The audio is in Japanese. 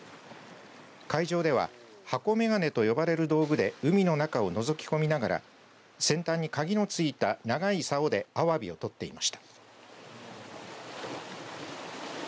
海上では箱メガネと呼ばれる道具で海の中をのぞき込みながら先端にカギのついた長いさおでアワビを取っていました。